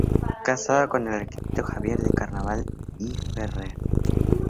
Casada con el arquitecto Javier de Carvajal y Ferrer.